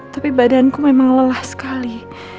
tapi badanku memang lelah sekali